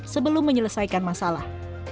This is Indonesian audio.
sebelum menyelesaikan masalah